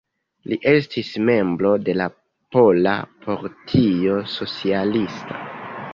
Li estis membro de la Pola Partio Socialista.